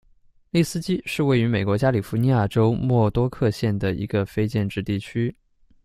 利斯基是位于美国加利福尼亚州莫多克县的一个非建制地区。